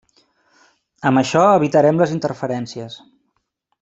Amb això evitarem les interferències.